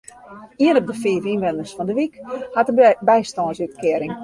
Ien op de fiif ynwenners fan de wyk hat in bystânsútkearing.